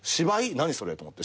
何それ？と思って。